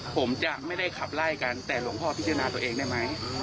ผมจะไม่ได้ขับไล่กันแต่หลวงพ่อพิจารณาตัวเองได้ไหม